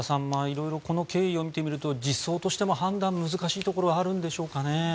色々、この経緯を見てみると児相としても判断が難しいところがあるんですかね。